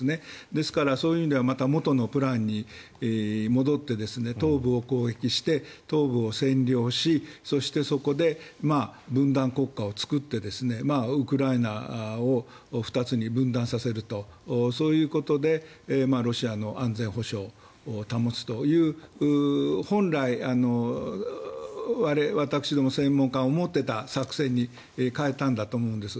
ですから、そういう意味ではまた元のプランに戻って東部を攻撃して、東部を占領しそしてそこで分断国家を作ってウクライナを２つに分断させるとそういうことでロシアの安全保障を保つという本来、私ども専門家が思っていた作戦に変えたんだと思うんです。